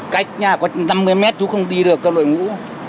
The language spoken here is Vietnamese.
cách nhà có năm mươi mét chú không đi được đổi mũ